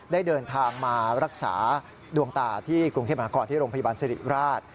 ได้เดินทางมารักษาดวงตาที่กรุงเทพมหานครที่โรงพยาบาลสิริราช